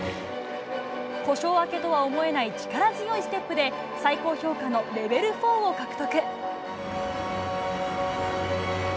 故障明けとは思えない力強いステップで、最高評価のレベル４を獲得。